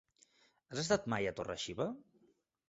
Has estat mai a Torre-xiva?